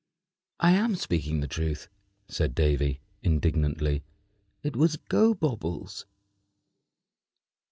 "I am speaking the truth," said Davy, indignantly. "It was Gobobbles."